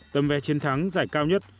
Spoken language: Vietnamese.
tầm vẻ chiến thắng giải cao nhất